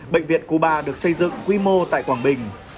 bệnh viện cuba được xây dựng quy mô tại quảng bình